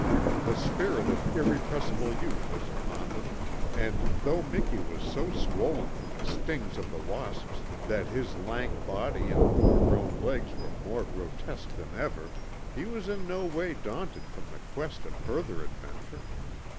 The spirit of irrepressible youth was upon them, and, though Miki was so swollen from the stings of the wasps that his lank body and overgrown legs were more grotesque than ever, he was in no way daunted from the quest of further adventure.